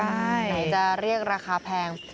ไหนจะเรียกราคาแพง